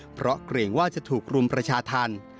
เพราะเกรงว่าจะถูกรุมประชาธรรม